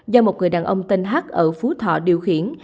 do một người đàn ông tên hát ở phú thọ điều khiển